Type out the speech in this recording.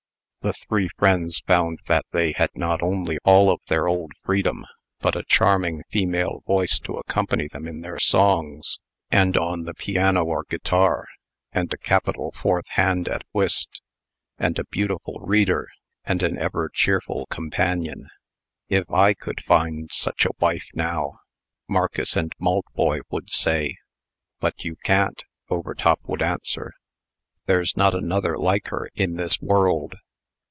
The three friends found that they had not only all of their old freedom, but a charming female voice to accompany them in their songs, and on the piano or guitar, and a capital fourth hand at whist, and a beautiful reader, and an ever cheerful companion. "If I could find such a wife, now!" Marcus and Maltboy would say. "But you can't," Overtop would answer. "There's not another like her in this world."